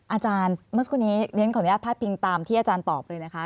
อาจารย์เมื่อสักครู่นี้เรียนขออนุญาตพาดพิงตามที่อาจารย์ตอบเลยนะคะ